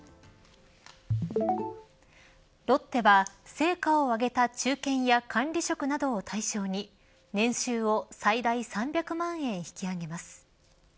ロッテは成果を上げた中堅や管理職などを対象に年収を最大３００万円引き上げます。